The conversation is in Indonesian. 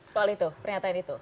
soal itu pernyataan itu